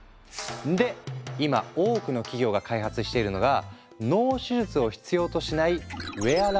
で今多くの企業が開発しているのが脳手術を必要としない